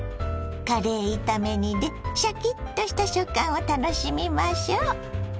カレー炒め煮でシャキッとした食感を楽しみましょ。